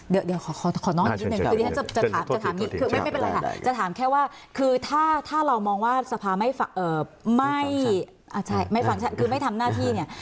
เดี๋ยวขอน้องอีกนิดหนึ่งจะถามแค่ว่าคือถ้าเรามองว่าสภาไม่ฝังใช้คือไม่ทำหน้าที่เนี่ย